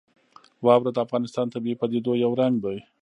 واوره د افغانستان د طبیعي پدیدو یو رنګ دی.